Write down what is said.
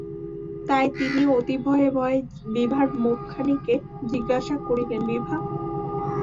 তাই তিনি অতি ভয়ে ভয়ে বিভার মুখখানিকে জিজ্ঞাসা করিলেন, বিভা?